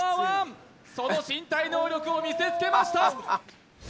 その身体能力を見せつけました